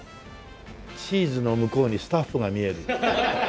チーズの向こうにスタッフが見える。